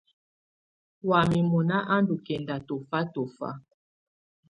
Wayɛ̀á mɔ̀na á ndù kɛnda tɔ̀fa tɔ̀fa.